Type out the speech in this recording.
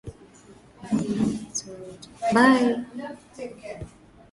alisema akitoa wito wa kuanza upya kwa utawala kamili wa kiraia